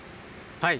はい。